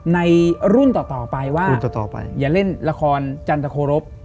ในรุ่นต่อไปว่าอย่าเล่นละครจันทรโคลบ